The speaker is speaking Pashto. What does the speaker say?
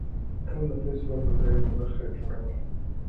د ټول نفوس یو پر درېیمه برخه یې جوړوله